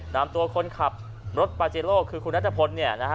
นำตัวคนขับรถปาเจโลคือคุณนัทพลเนี่ยนะฮะ